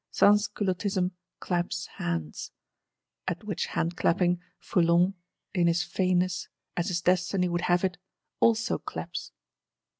Sansculottism claps hands;—at which hand clapping, Foulon (in his fainness, as his Destiny would have it) also claps.